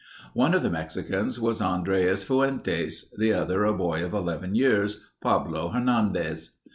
One of the Mexicans was Andreas Fuentes, the other a boy of 11 years—Pablo Hernandez.